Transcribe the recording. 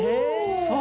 そう。